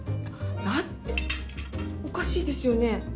だっておかしいですよね？